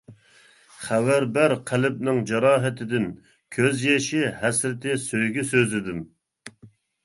خەۋەر بەر قەلبىنىڭ جاراھىتىدىن، كۆز يېشى، ھەسرىتى، سۆيگۈ سۆزىدىن.